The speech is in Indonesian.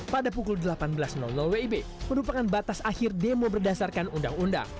pada pukul delapan belas wib merupakan batas akhir demo berdasarkan undang undang